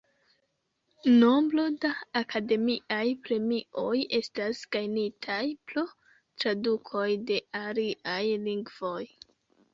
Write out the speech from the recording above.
Nombro da akademiaj premioj estas gajnitaj pro tradukoj de aliaj lingvoj.